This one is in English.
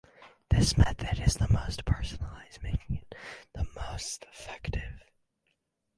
This method is the most personalized, making it the most effective.